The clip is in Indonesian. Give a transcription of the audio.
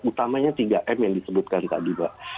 utamanya tiga m yang disebutkan tadi mbak